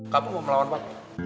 kamu mau melawan pamit